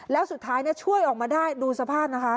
แล้วสุดท้ายช่วยออกมาได้ดูสภาพนะคะ